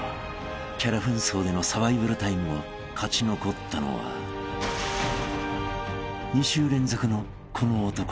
［キャラ扮装でのサバイバルタイムを勝ち残ったのは２週連続のこの男たち］